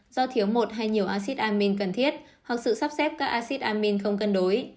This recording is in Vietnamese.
do thiếu một hay nhiều acid amine cần thiết hoặc sự sắp xếp các acid amine không cân đối